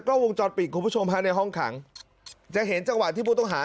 ก็เรียกร้องให้ตำรวจดำเนอคดีให้ถึงที่สุดนะ